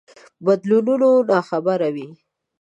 بدلونونو ناخبره وي.